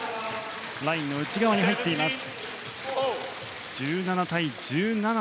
ラインの内側に入っています。